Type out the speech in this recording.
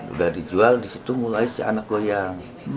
udah dijual disitu mulai si anak goyang